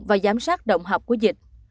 và giám sát động học của dịch